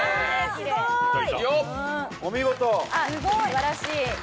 素晴らしい。